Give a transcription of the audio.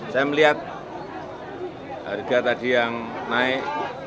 saya melihat harga tadi yang naik